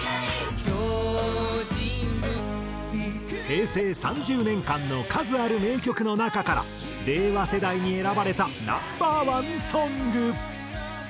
平成３０年間の数ある名曲の中から令和世代に選ばれたナンバーワンソング。